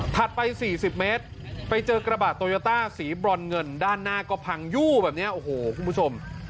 ไป๔๐เมตรไปเจอกระบะโตโยต้าสีบรอนเงินด้านหน้าก็พังยู่แบบนี้โอ้โหคุณผู้ชม